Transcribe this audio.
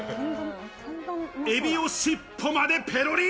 エビを尻尾までペロリ！